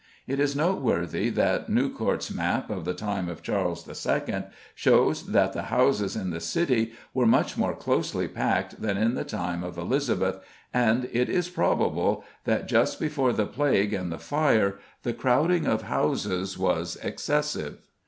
It is noteworthy that Newcourt's map of the time of Charles II. shows that the houses in the City were much more closely packed than in the time of Elizabeth, and it is probable that just before the Plague and the Fire the crowding of houses was excessive.